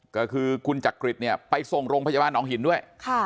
ก็คือคุณจักริตเนี่ยไปส่งโรงพยาบาลหนองหินด้วย